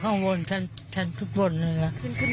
เกิดมาไม่คิดว่าจะเจอกับน้ำท่วมแบบนี้ค่ะ